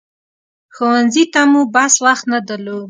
ښوونځي ته مو بس وخت نه درلود.